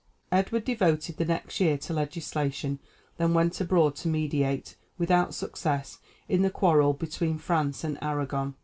Edward devoted the next year to legislation, then went abroad to mediate, without success, in the quarrel between France and Aragon.